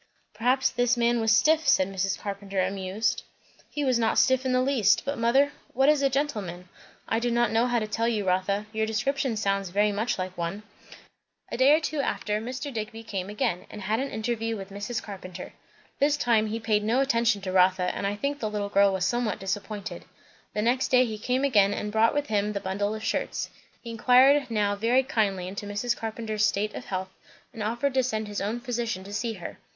"Perhaps this man was stiff," said Mrs. Carpenter amused. "He was not stiff in the least; but mother, what is a gentleman?" "I do not know how to tell you, Rotha. Your description sounds very much like one." A day or two after, Mr. Digby came again, and had an interview with Mrs. Carpenter. This time he paid no attention to Rotha, and I think the little girl was somewhat disappointed. The next day he came again and brought with him the bundle of shirts. He inquired now very kindly into Mrs. Carpenter's state of health, and offered to send his own physician to see her.